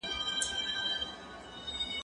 شګه پاکه کړه؟!